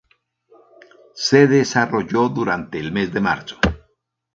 Se desarrolló durante el mes de marzo.